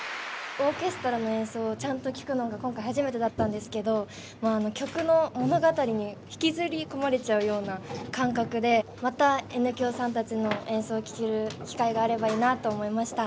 オーケストラの演奏をちゃんと聴くのが今回初めてだったんですけど曲の物語に引きずり込まれちゃうような感覚でまたＮ響さんたちの演奏を聴ける機会があればいいなあと思いました。